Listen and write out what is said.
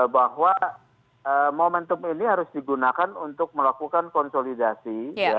bahwa momentum ini harus digunakan untuk melakukan konsolidasi